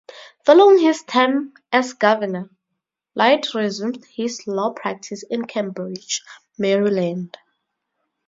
Following his term as governor, Lloyd resumed his law practice in Cambridge, Maryland.